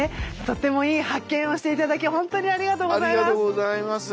とってもいい発見をしていただき本当にありがとうございます。